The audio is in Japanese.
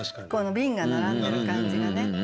この瓶が並んでる感じがね。